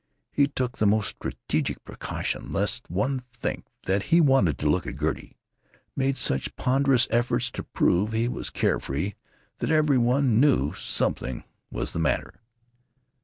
He took the most strategic precautions lest some one think that he wanted to look at Gertie; made such ponderous efforts to prove he was care free that every one knew something was the matter.